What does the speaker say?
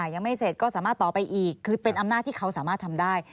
ยังไม่เสร็จก็สามารถต่อไปอีกคือเป็นอำนาจที่เขาสามารถทำได้